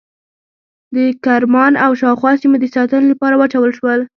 د کرمان او شاوخوا سیمو د ساتنې لپاره واچول شول.